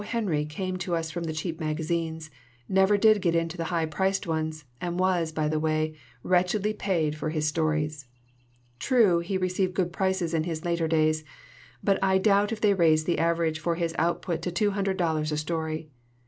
Henry came to us from the cheap magazines, never did get into the higher priced ones, and was, by the way, wretchedly paid for his stories. True, he received good prices in his later* days, but I doubt if they raised the average for his output to two hundred dollars a story.